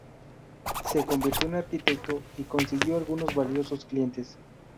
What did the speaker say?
Se convirtió en arquitecto y consiguió algunos valiosos clientes.